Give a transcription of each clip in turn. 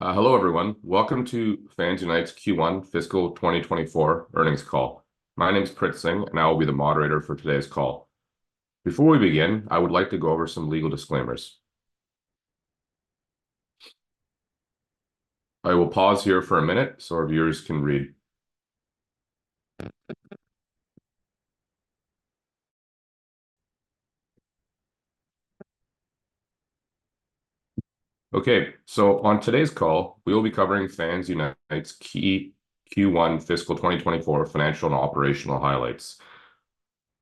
Hello, everyone. Welcome to FansUnite's Q1 Fiscal 2024 earnings call. My name's Prit Singh, and I will be the moderator for today's call. Before we begin, I would like to go over some legal disclaimers. I will pause here for a minute, so our viewers can read. Okay, so on today's call, we will be covering FansUnite's key Q1 Fiscal 2024 financial and operational highlights.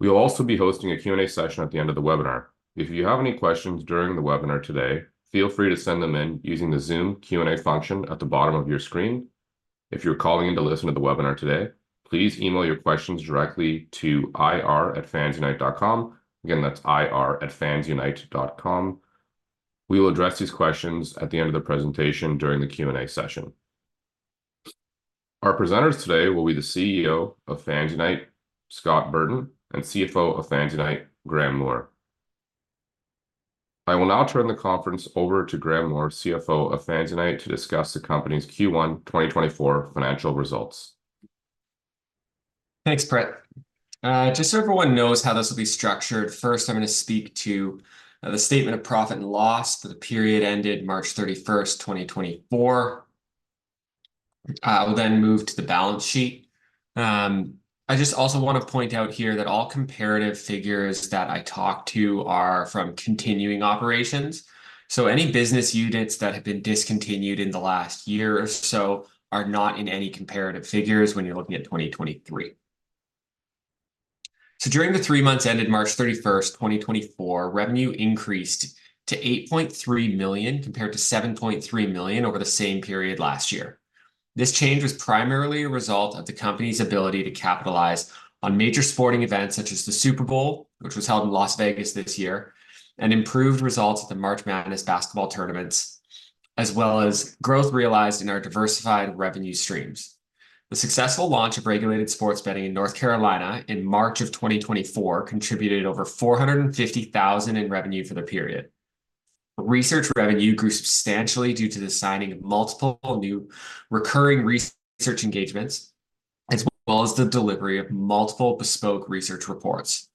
We'll also be hosting a Q&A session at the end of the webinar. If you have any questions during the webinar today, feel free to send them in using the Zoom Q&A function at the bottom of your screen. If you're calling in to listen to the webinar today, please email your questions directly to ir@fansunite.com. Again, that's ir@fansunite.com. We will address these questions at the end of the presentation during the Q&A session. Our presenters today will be the CEO of FansUnite, Scott Burton, and CFO of FansUnite, Graeme Moore. I will now turn the conference over to Graeme Moore, CFO of FansUnite, to discuss the company's Q1 2024 financial results. Thanks, Prit. Just so everyone knows how this will be structured, first, I'm gonna speak to the statement of profit and loss for the period ended March 31, 2024. I will then move to the balance sheet. I just also wanna point out here that all comparative figures that I talk to are from continuing operations, so any business units that have been discontinued in the last year or so are not in any comparative figures when you're looking at 2023. So during the three months ended March 31, 2024, revenue increased to 8.3 million, compared to 7.3 million over the same period last year. This change was primarily a result of the company's ability to capitalize on major sporting events, such as the Super Bowl, which was held in Las Vegas this year, and improved results at the March Madness basketball tournaments, as well as growth realized in our diversified revenue streams. The successful launch of regulated sports betting in North Carolina in March 2024 contributed over $450,000 in revenue for the period. Research revenue grew substantially due to the signing of multiple new recurring research engagements, as well as the delivery of multiple bespoke research reports.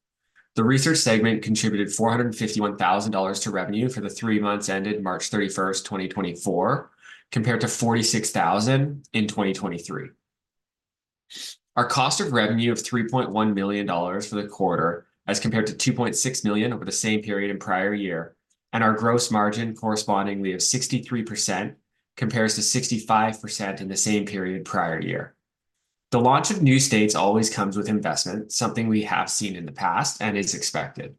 The research segment contributed $451,000 to revenue for the three months ended March 31, 2024, compared to $46,000 in 2023. Our cost of revenue of $3.1 million for the quarter, as compared to $2.6 million over the same period in prior year, and our gross margin correspondingly of 63%, compares to 65% in the same period prior year. The launch of new states always comes with investment, something we have seen in the past and is expected.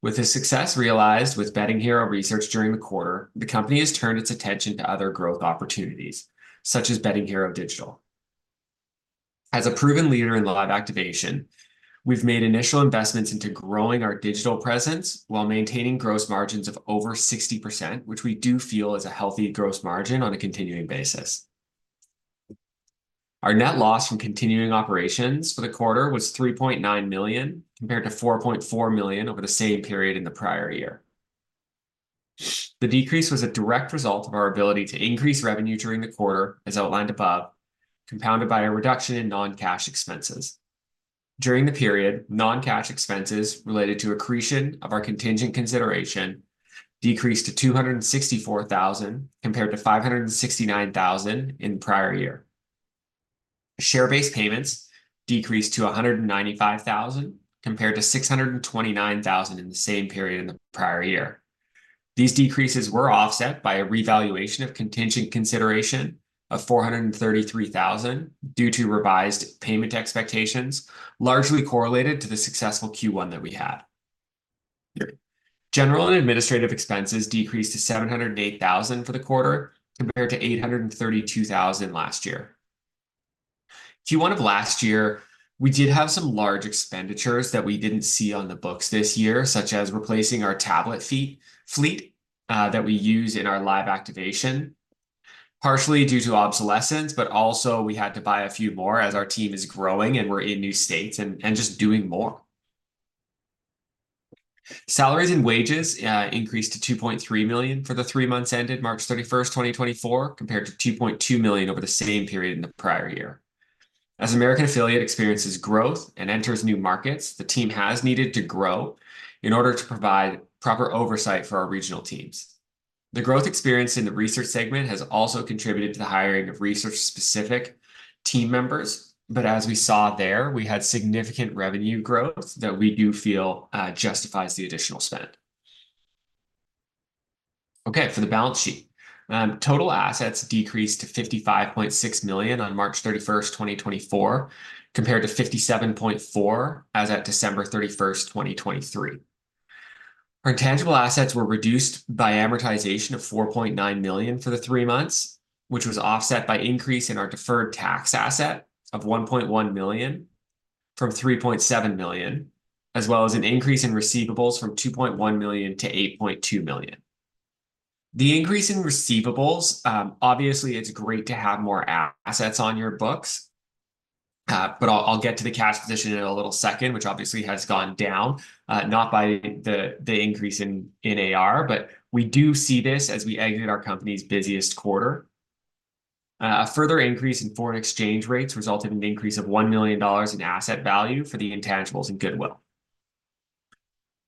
With the success realized with Betting Hero Research during the quarter, the company has turned its attention to other growth opportunities, such as Betting Hero Digital. As a proven leader in live activation, we've made initial investments into growing our digital presence while maintaining gross margins of over 60%, which we do feel is a healthy gross margin on a continuing basis. Our net loss from continuing operations for the quarter was 3.9 million, compared to 4.4 million over the same period in the prior year. The decrease was a direct result of our ability to increase revenue during the quarter, as outlined above, compounded by a reduction in non-cash expenses. During the period, non-cash expenses related to accretion of our contingent consideration decreased to 264,000, compared to 569,000 in prior year. Share-based payments decreased to 195,000, compared to 629,000 in the same period in the prior year. These decreases were offset by a revaluation of contingent consideration of 433,000, due to revised payment expectations, largely correlated to the successful Q1 that we had. General and administrative expenses decreased to 708,000 for the quarter, compared to 832,000 last year. Q1 of last year, we did have some large expenditures that we didn't see on the books this year, such as replacing our tablet fleet that we use in our live activation, partially due to obsolescence, but also we had to buy a few more, as our team is growing, and we're in new states and just doing more. Salaries and wages increased to 2.3 million for the three months ended March 31, 2024, compared to 2.2 million over the same period in the prior year. As American Affiliate experiences growth and enters new markets, the team has needed to grow in order to provide proper oversight for our regional teams. The growth experience in the research segment has also contributed to the hiring of research-specific team members, but as we saw there, we had significant revenue growth that we do feel justifies the additional spend. Okay, for the balance sheet. Total assets decreased to 55.6 million on March 31, 2024, compared to 57.4 million as at December 31, 2023. Our tangible assets were reduced by amortization of 4.9 million for the three months, which was offset by increase in our deferred tax asset of 1.1 million, from 3.7 million, as well as an increase in receivables from 2.1 million to 8.2 million. The increase in receivables, obviously, it's great to have more assets on your books... But I'll get to the cash position in a little second, which obviously has gone down, not by the increase in AR, but we do see this as we exit our company's busiest quarter. A further increase in foreign exchange rates resulted in the increase of 1 million dollars in asset value for the intangibles and goodwill.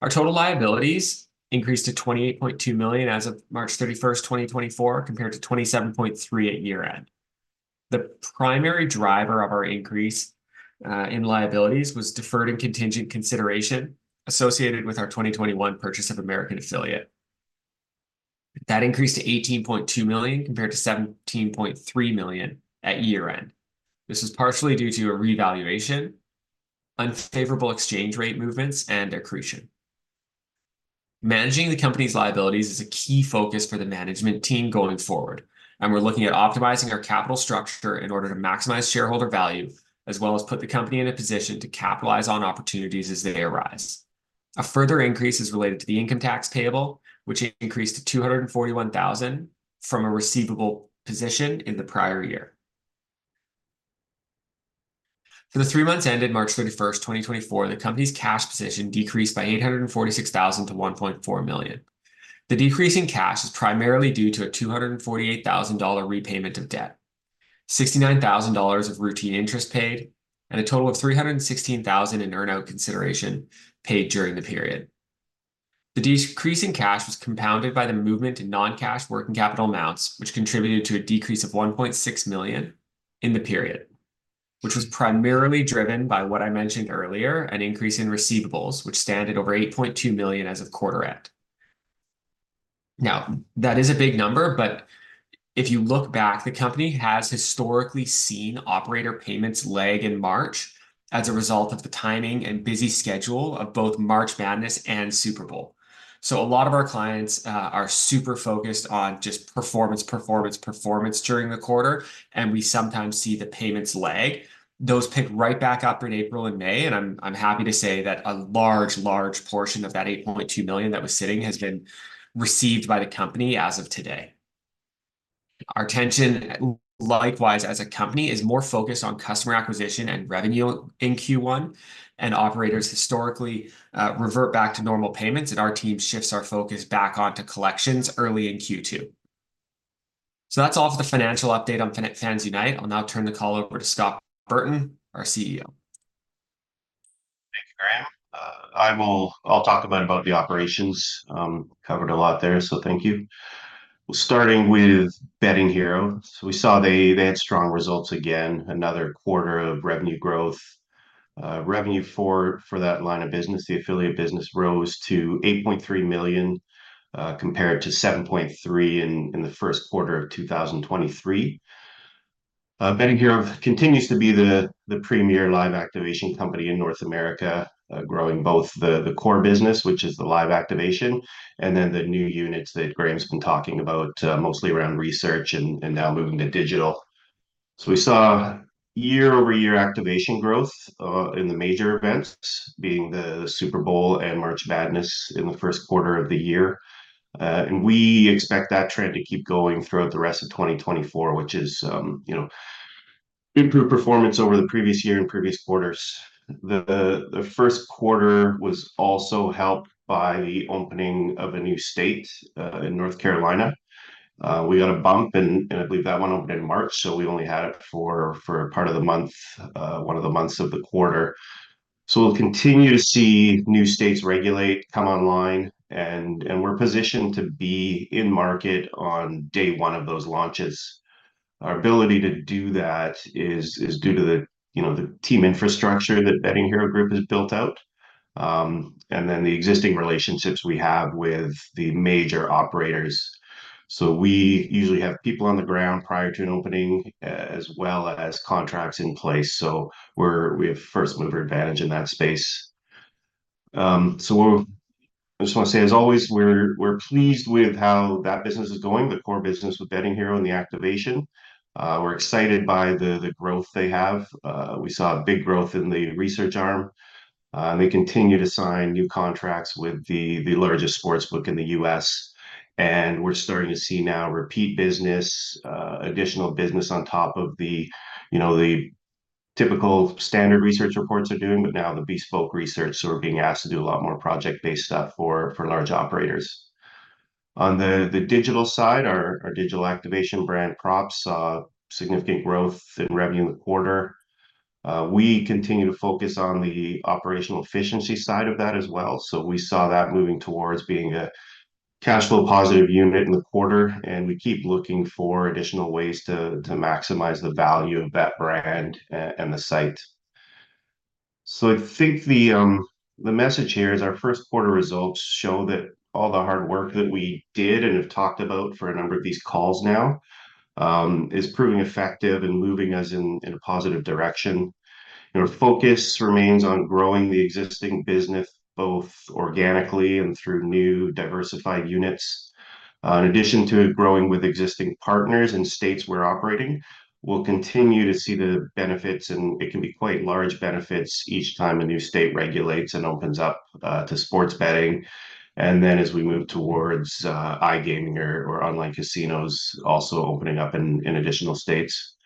Our total liabilities increased to 28.2 million as of March 31, 2024, compared to 27.3 million at year-end. The primary driver of our increase in liabilities was deferred and contingent consideration associated with our 2021 purchase of American Affiliate. That increased to 18.2 million, compared to 17.3 million at year-end. This is partially due to a revaluation, unfavorable exchange rate movements, and accretion. Managing the company's liabilities is a key focus for the management team going forward, and we're looking at optimizing our capital structure in order to maximize shareholder value, as well as put the company in a position to capitalize on opportunities as they arise. A further increase is related to the income tax payable, which increased to 241,000 from a receivable position in the prior year. For the three months ended March 31st, 2024, the company's cash position decreased by 846,000 to 1.4 million. The decrease in cash is primarily due to a 248,000 dollar repayment of debt, 69,000 dollars of routine interest paid, and a total of 316,000 in earn-out consideration paid during the period. The decrease in cash was compounded by the movement in non-cash working capital amounts, which contributed to a decrease of 1.6 million in the period, which was primarily driven by what I mentioned earlier, an increase in receivables, which stand at over 8.2 million as of quarter end. Now, that is a big number, but if you look back, the company has historically seen operator payments lag in March as a result of the timing and busy schedule of both March Madness and Super Bowl. So a lot of our clients are super focused on just performance, performance, performance during the quarter, and we sometimes see the payments lag. Those pick right back up in April and May, and I'm, I'm happy to say that a large, large portion of that 8.2 million that was sitting has been received by the company as of today. Our attention, likewise, as a company, is more focused on customer acquisition and revenue in Q1, and operators historically revert back to normal payments, and our team shifts our focus back onto collections early in Q2. So that's all for the financial update on FansUnite. I'll now turn the call over to Scott Burton, our CEO. Thank you, Graeme. I'll talk about the operations. Covered a lot there, so thank you. Starting with Betting Hero, so we saw they had strong results again, another quarter of revenue growth. Revenue for that line of business, the affiliate business, rose to $8.3 million compared to $7.3 million in the first quarter of 2023. Betting Hero continues to be the premier live activation company in North America, growing both the core business, which is the live activation, and then the new units that Graeme's been talking about, mostly around research and now moving to digital. So we saw year-over-year activation growth in the major events, being the Super Bowl and March Madness in the first quarter of the year. And we expect that trend to keep going throughout the rest of 2024, which is, you know, improved performance over the previous year and previous quarters. The first quarter was also helped by the opening of a new state in North Carolina. We got a bump in, and I believe that one opened in March, so we only had it for, for part of the month, one of the months of the quarter. So we'll continue to see new states regulate, come online, and we're positioned to be in market on day one of those launches. Our ability to do that is due to the, you know, the team infrastructure that Betting Hero group has built out, and then the existing relationships we have with the major operators. So we usually have people on the ground prior to an opening, as well as contracts in place, so we have first-mover advantage in that space. So I just wanna say, as always, we're pleased with how that business is going, the core business with Betting Hero and the activation. We're excited by the growth they have. We saw a big growth in the research arm. They continue to sign new contracts with the largest sportsbook in the U.S., and we're starting to see now repeat business, additional business on top of the, you know, the typical standard research reports are doing, but now the bespoke research, so we're being asked to do a lot more project-based stuff for large operators. On the digital side, our digital activation brand Props, significant growth in revenue in the quarter. We continue to focus on the operational efficiency side of that as well, so we saw that moving towards being a cash flow positive unit in the quarter, and we keep looking for additional ways to maximize the value of that brand and the site. So I think the message here is our first quarter results show that all the hard work that we did and have talked about for a number of these calls now is proving effective and moving us in a positive direction. Our focus remains on growing the existing business, both organically and through new diversified units. In addition to growing with existing partners in states we're operating, we'll continue to see the benefits, and it can be quite large benefits, each time a new state regulates and opens up to sports betting. Then as we move towards iGaming or online casinos also opening up in additional states.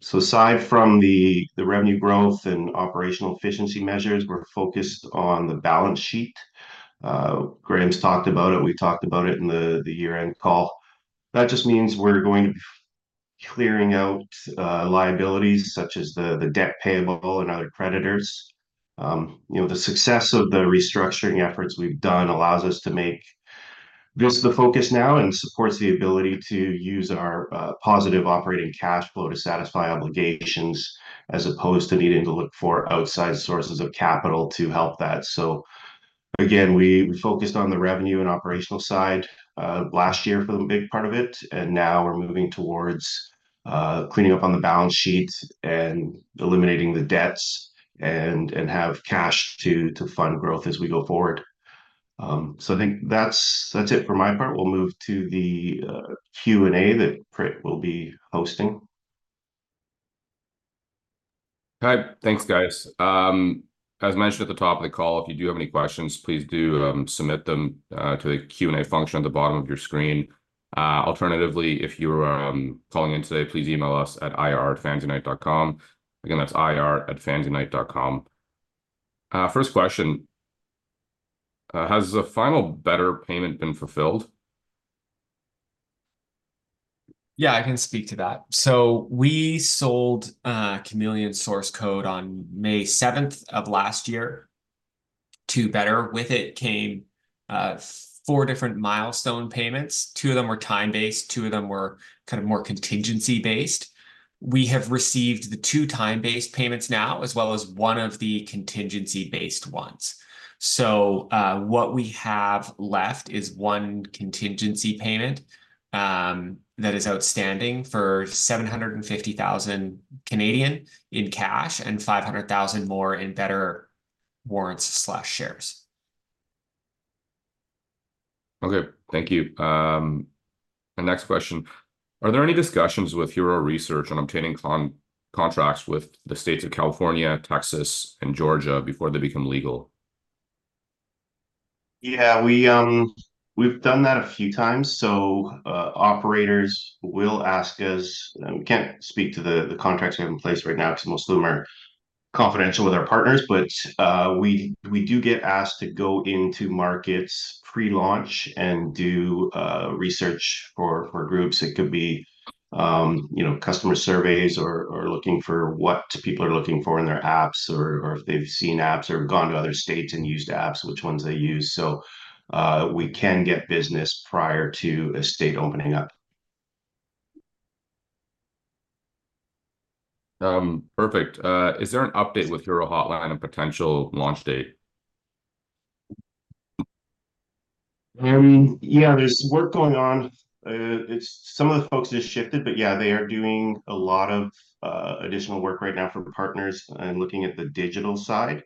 So aside from the revenue growth and operational efficiency measures, we're focused on the balance sheet. Graeme's talked about it, we talked about it in the year-end call. That just means we're going to be clearing out liabilities such as the debt payable and other creditors. You know, the success of the restructuring efforts we've done allows us to make. Gives us the focus now and supports the ability to use our positive operating cash flow to satisfy obligations, as opposed to needing to look for outside sources of capital to help that. So again, we focused on the revenue and operational side last year for the big part of it, and now we're moving towards cleaning up on the balance sheet and eliminating the debts, and have cash to fund growth as we go forward. So I think that's it for my part. We'll move to the Q&A that Prit will be hosting. Hi. Thanks, guys. As mentioned at the top of the call, if you do have any questions, please do submit them to the Q&A function at the bottom of your screen. Alternatively, if you're calling in today, please email us at ir@fansunite.com. Again, that's ir@fansunite.com. First question: has the final Betr payment been fulfilled? Yeah, I can speak to that. So we sold Chameleon source code on May 7th of last year to Betr. With it came four different milestone payments. Two of them were time-based, two of them were kind of more contingency-based. We have received the two time-based payments now, as well as one of the contingency-based ones. So, what we have left is one contingency payment that is outstanding for 750,000 in cash, and 500,000 more in Betr warrants/shares. Okay, thank you. The next question: Are there any discussions with Hero Research on obtaining contracts with the states of California, Texas, and Georgia before they become legal? Yeah, we, we've done that a few times. So, operators will ask us... We can't speak to the contracts we have in place right now, 'cause most of them are confidential with our partners, but, we do get asked to go into markets pre-launch and do research for groups. It could be, you know, customer surveys or looking for what people are looking for in their apps or if they've seen apps or gone to other states and used apps, which ones they use. So, we can get business prior to a state opening up. Perfect. Is there an update with Hero Hotline and potential launch date? Yeah, there's work going on. It's... Some of the folks just shifted, but yeah, they are doing a lot of additional work right now for partners and looking at the digital side.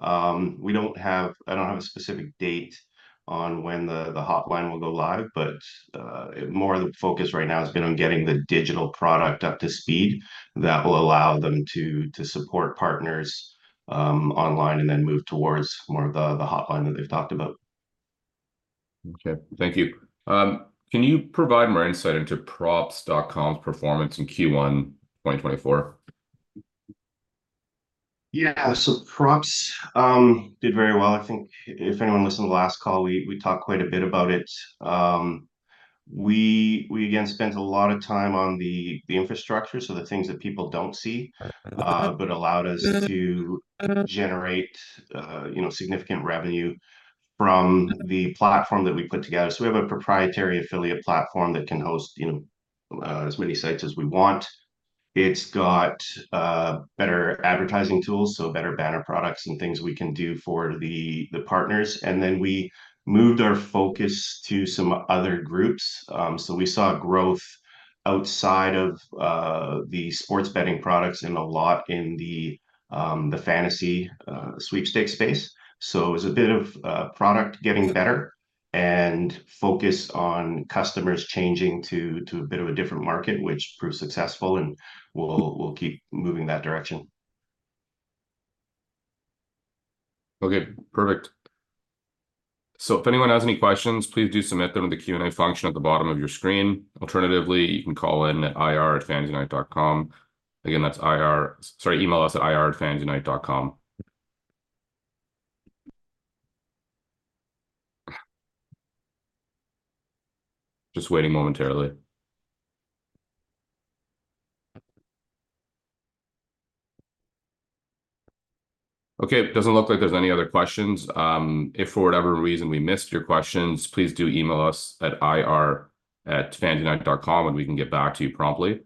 We don't have- I don't have a specific date on when the, the hotline will go live, but more of the focus right now has been on getting the digital product up to speed. That will allow them to, to support partners online and then move towards more of the, the hotline that they've talked about. Okay, thank you. Can you provide more insight into Props.com's performance in Q1 2024? Yeah. So Props did very well. I think if anyone listened to the last call, we talked quite a bit about it. We again spent a lot of time on the infrastructure, so the things that people don't see, but allowed us to generate, you know, significant revenue from the platform that we put together. So we have a proprietary affiliate platform that can host, you know, as many sites as we want. It's got better advertising tools, so better banner products and things we can do for the partners, and then we moved our focus to some other groups. So we saw growth outside of the sports betting products and a lot in the fantasy sweepstakes space. It was a bit of product getting better and focus on customers changing to a bit of a different market, which proved successful, and we'll keep moving that direction. Okay, perfect. So if anyone has any questions, please do submit them in the Q&A function at the bottom of your screen. Alternatively, you can call in at ir@fansunite.com. Again, that's IR... Sorry, email us at ir@fansunite.com. Just waiting momentarily. Okay, it doesn't look like there's any other questions. If for whatever reason we missed your questions, please do email us at ir@fansunite.com and we can get back to you promptly.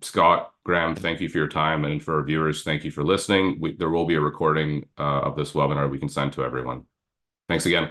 Scott, Graeme, thank you for your time, and for our viewers, thank you for listening. There will be a recording of this webinar we can send to everyone. Thanks again.